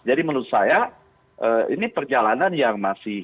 jadi menurut saya ini perjalanan yang masih jauh